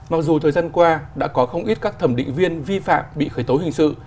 mặc dù thời gian qua đã có không ít các thẩm định viên vi phạm bị khởi tố hình sự